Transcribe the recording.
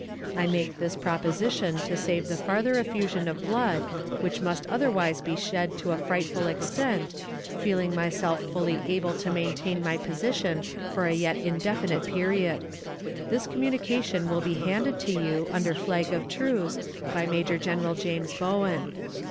I make this proposition to save the farther effusion of blood, which must otherwise be shed to a frightful extent, feeling myself fully able to maintain my position for a yet indefinite period. This communication will be handed to you, under flag of truce, by Major General James Bowen.